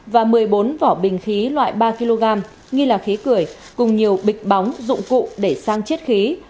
và một mươi bốn vỏ bình khí loại ba kg nghi là khí cười cùng nhiều bịch bóng dụng cụ để sang chiết khí